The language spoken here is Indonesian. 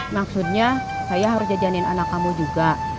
maksudnya saya harus jajanin anak kamu juga